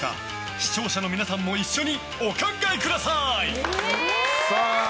視聴者の皆さんも一緒にお考えください！